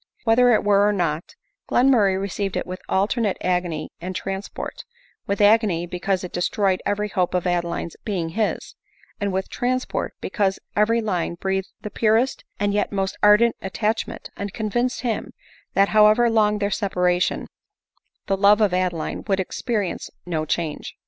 Whether it were so or not, Glenmurray received it with alternate agony and trans port ; with agony, because it destroyed every hope of Adeline's being his — and with transport, because every line breathed the purest and yet most ardent attachment, and convinced him, that however long their separation, the love of Adeline would experience no change.